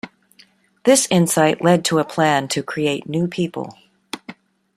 This insight led to a plan to create new people.